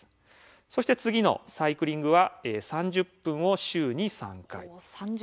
次のサイクリングは３０分を週に３回。